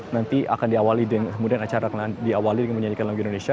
nanti akan diawali dengan acara menjajikan lagu indonesia